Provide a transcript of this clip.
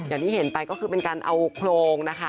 อย่างที่เห็นไปก็คือเป็นการเอาโครงนะคะ